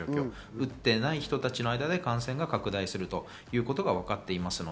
打ってない人たちの間で感染が拡大するということが分かっています。